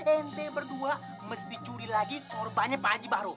nt berdua mesti curi lagi sorbannya pak haji baru